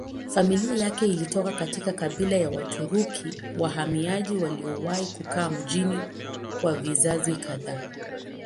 Familia yake ilitoka katika kabila ya Waturuki wahamiaji waliowahi kukaa mjini kwa vizazi kadhaa.